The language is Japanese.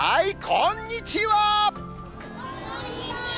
こんにちは。